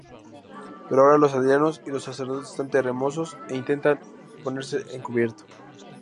Pero ahora los aldeanos y los sacerdotes están temerosos e intentan ponerse a cubierto.